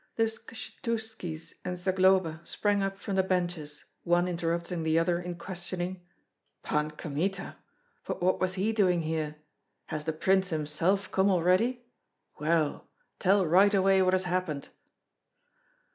The Skshetuskis and Zagloba sprang up from the benches, one interrupting the other in questioning, "Pan Kmita? But what was he doing here? Has the prince himself come already? Well! Tell right away what has happened."